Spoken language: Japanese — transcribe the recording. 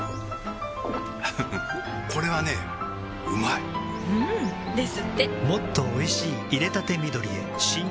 ゴクッふふこれはねうまいうんですってもっとおいしい淹れたて緑へ新！